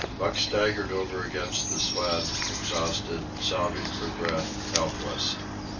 Buck staggered over against the sled, exhausted, sobbing for breath, helpless.